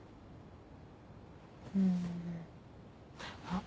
うん。